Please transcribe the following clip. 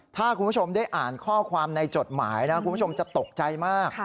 ถ้าคุณผู้ชมได้อ่านข้อความในจดหมายนะคุณผู้ชมจะตกใจมาก